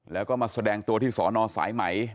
แล้วก็มาแสดงตัวที่สอนอสายไหม